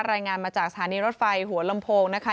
รายงานมาจากสถานีรถไฟหัวลำโพงนะคะ